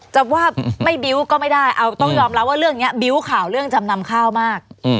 จะว่าไม่บิ้วก็ไม่ได้เอาต้องยอมรับว่าเรื่องนี้บิ้วข่าวเรื่องจำนำข้าวมาก